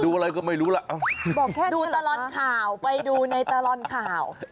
ดูอะไรก็ไม่รู้ล่ะ